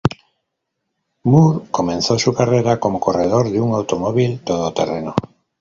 Moore comenzó su carrera como corredor de un Automóvil todoterreno.